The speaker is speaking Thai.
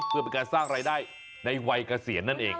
เพื่อเป็นการสร้างรายได้ในวัยเกษียณนั่นเอง